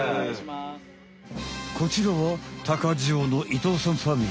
こちらは鷹匠の伊藤さんファミリー。